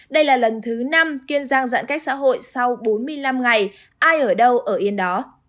đây là lần thứ năm kiên giang giãn cách xã hội sau bốn mươi năm ngày ai ở đâu ở yên đó